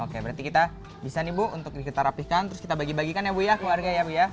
oke berarti kita bisa nih bu untuk kita rapihkan terus kita bagi bagikan ya bu ya keluarga ya bu ya